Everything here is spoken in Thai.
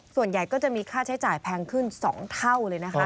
ส่วนใหญ่ก็จะมีค่าใช้จ่ายแพงขึ้น๒เท่าเลยนะคะ